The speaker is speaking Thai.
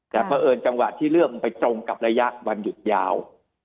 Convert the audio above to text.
แต่เพราะเอิญจังหวะที่เรื่องมันไปตรงกับระยะวันหยุดยาว